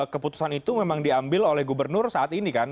keputusan itu memang diambil oleh gubernur saat ini kan